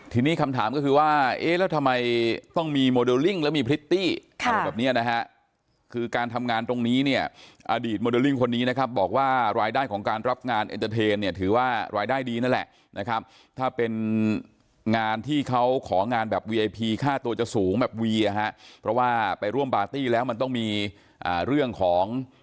ทีนี้คำถามก็คือว่าเอ๊ะแล้วทำไมต้องมีโมเดลลิ่งแล้วมีพริตตี้อะไรแบบเนี้ยนะฮะคือการทำงานตรงนี้เนี่ยอดีตโมเดลลิ่งคนนี้นะครับบอกว่ารายได้ของการรับงานเอ็นเตอร์เทนเนี่ยถือว่ารายได้ดีนั่นแหละนะครับถ้าเป็นงานที่เขาของานแบบวีไอพีค่าตัวจะสูงแบบวีอ่ะฮะเพราะว่าไปร่วมปาร์ตี้แล้วมันต้องมีเรื่องของ